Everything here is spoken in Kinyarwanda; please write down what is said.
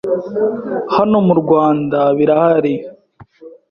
hano mu Rwanda birahari